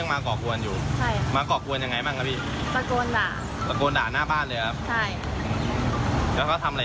มา๓รอบมา๓รอบมาด่าเขาเนี่ย